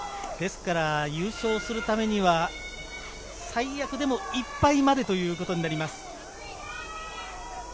優勝するためには、最悪でも１敗までということになります。